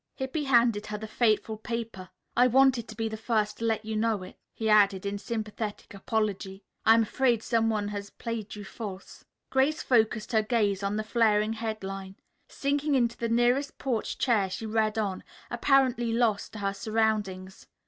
Hippy handed her the fateful newspaper. "I wanted to be the first to let you know it," he added in sympathetic apology. "I am afraid some one has played you false." Grace focused her gaze on the flaring headline. Sinking into the nearest porch chair she read on, apparently lost to her surroundings.